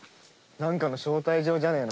何かの招待状じゃねえの？